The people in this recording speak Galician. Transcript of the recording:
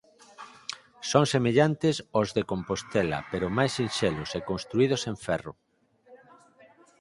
Son semellantes ós de Compostela pero máis sinxelos e construídos en ferro.